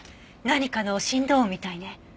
何かの振動音みたいね。